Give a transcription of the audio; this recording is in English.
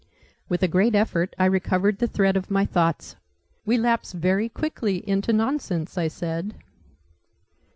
With a great effort I recovered the thread of my thoughts. "We lapse very quickly into nonsense!" I said.